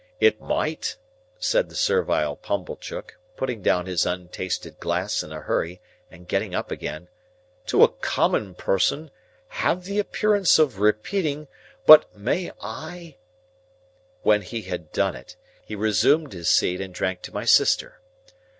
It might," said the servile Pumblechook, putting down his untasted glass in a hurry and getting up again, "to a common person, have the appearance of repeating—but may I—?" When he had done it, he resumed his seat and drank to my sister.